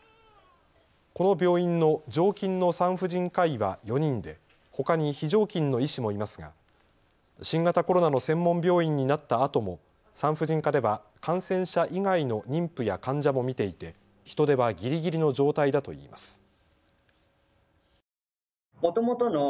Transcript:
この病院の常勤の産婦人科医は４人でほかに非常勤の医師もいますが新型コロナの専門病院になったあとも産婦人科では感染者以外の妊婦や患者も診ていて人手はぎりぎりの状態だといいます。